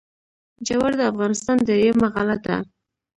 جوار د افغانستان درېیمه غله ده.